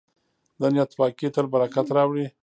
د نیت پاکي تل برکت راوړي.